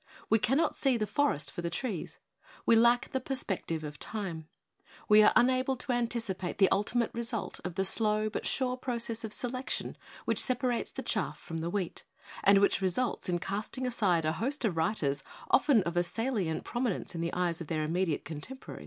We cannot see the forest for the trees; we lack the perspective of time; we are unable to antici pate the ultimate result of the slow but sure process of selection which separates the chaff from the wheat and which results in casting a host of writers often of a salient promi nence in the eyes of their immediate contempo .